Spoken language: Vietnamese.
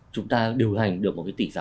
chúng ta điều hành được một cái tỷ giá